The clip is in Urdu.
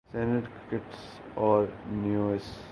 سینٹ کٹس اور نیویس